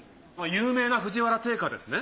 有名な藤原定家ですね。